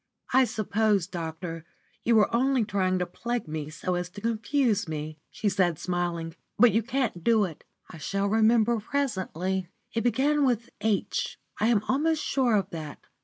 "I suppose, doctor, you were only trying to plague me so as to confuse me," she said, smiling. "But you can't do it. I shall remember presently. It began with 'H' I am almost sure of that.